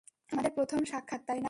আমাদের প্রথম সাক্ষাৎ, তাই না?